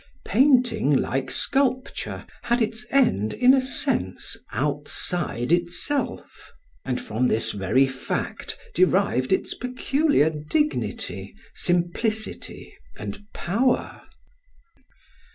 Painting, like sculpture, had its end, in a sense, outside itself; and from this very fact derived its peculiar dignity, simplicity, and power.